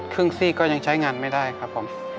ซี่ก็ยังใช้งานไม่ได้ครับผม